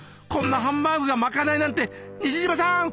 こんなハンバーグがまかないなんて西島さん